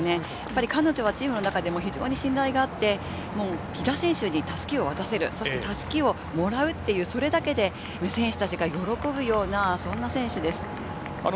彼女はチームの中でも非常に信頼があって、飛田選手に襷を渡せる、襷をもらうという、それだけで選手たちが喜ぶような、そんな選手です。